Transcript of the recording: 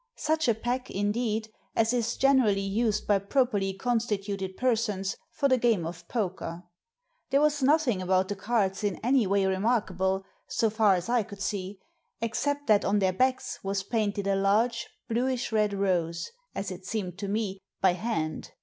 Such a pack, indeed, as is generally used by properly constituted persons for the game of poker. There was nothing about the cards in any way remarkable, so far as I could see, except that on their backs was painted a large, bluish red rose, as it seemed to me, by hand.